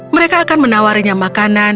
mereka akan menawarinya makanan